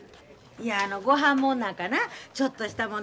いやあのごはんもんなんかなちょっとしたもん